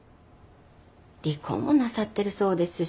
離婚もなさってるそうですし。